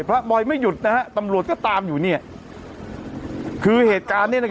พระบอยไม่หยุดนะฮะตำรวจก็ตามอยู่เนี่ยคือเหตุการณ์เนี่ยนะครับ